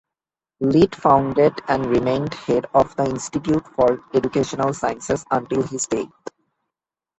Litt founded and remained head of the Institute for Educational Sciences until his death.